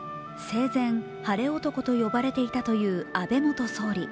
生前、晴れ男と呼ばれていたという安倍元総理。